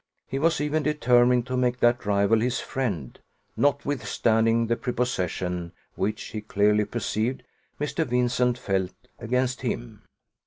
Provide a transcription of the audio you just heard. He was even determined to make that rival his friend, notwithstanding the prepossession which, he clearly perceived, Mr. Vincent felt against him.